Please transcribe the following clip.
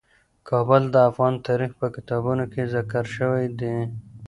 کابل د افغان تاریخ په کتابونو کې ذکر شوی دي.